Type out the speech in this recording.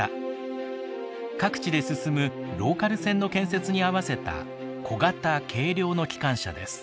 各地で進むローカル線の建設に合わせた小型軽量の機関車です。